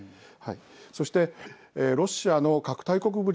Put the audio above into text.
そしてロシアの核大国ぶり